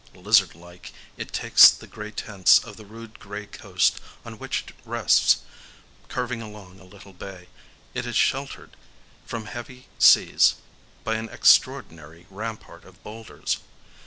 Lizard like it takes the grey tints of the rude grey coast on which it rests,—curving along a little bay. It is sheltered from heavy seas by an extraordinary rampart of boulders.